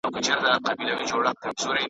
کړه یې وا لکه ګره د تورو زلفو .